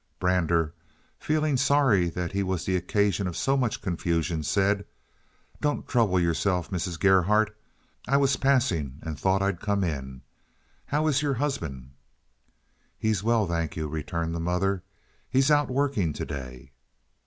Brander, feeling sorry that he was the occasion of so much confusion, said: "Don't trouble yourself, Mrs. Gerhardt. I was passing and thought I'd come in. How is your husband?" "He's well, thank you," returned the mother. "He's out working to day."